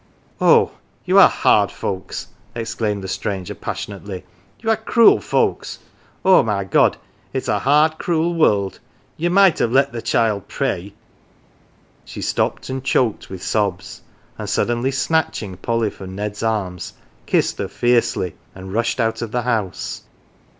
" Oh, you are hard folks !" exclaimed the stranger passionately, " you are cruel folks ! Oh, my God, it's a hard, cruel world ! Ye might, ye might have let the child pray."" She stopped, choked with sobs, and, suddenly snatch ing Polly from Ned's arms, kissed her fiercely and rushed out of the house.